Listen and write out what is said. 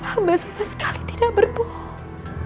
hamba sama sekali tidak berbohong